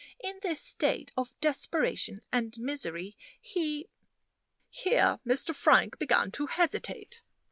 In this state of desperation and misery, he " Here Mr. Frank began to hesitate.